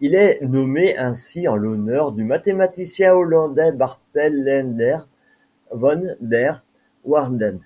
Il est nommé ainsi en l'honneur du mathématicien hollandais Bartel Leendert van der Waerden.